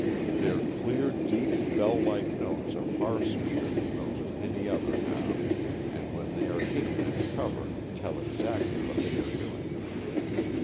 Their clear, deep, bell like notes are far sweeter than those of any other Hound, and when they are hidden in cover, tell exactly what they are doing.